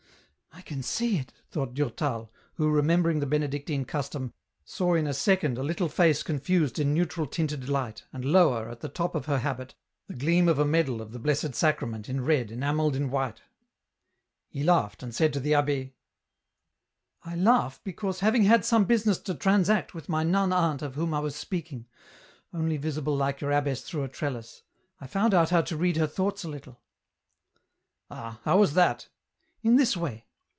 " I can see it," thought Durtal, who, remembering the Benedictine custom, saw in a second a little face confused in neutral tinted light, and lower, at the top of her habit, the gleam of a medal of the Blessed Sacrament in red enamelled in white. He laughed and said to the abbe, —" I laugh, because having had some business to transact with my nun aunt of whom I was speaking, only visible like your abbess through a trellis, I found out how to read her thoughts a Httle." " Ah ! how was that ?" "In this way.